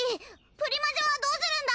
プリマジはどうするんだ！